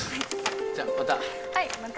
じゃまた。